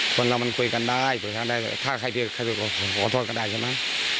คนเรามันคุยกันได้คุยกันได้ถ้าใครพลักษณะก็โอโหขอโทษกันได้ใช่ไหม